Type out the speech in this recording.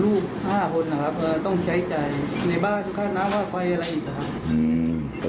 ลูก๕คนนะครับต้องใช้จ่ายในบ้านค่าน้ำว่าไฟอะไรอีกครับ